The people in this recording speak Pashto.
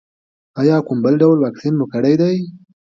ایا کوم بل واکسین مو کړی دی؟